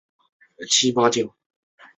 到了二十岁时便离开山中。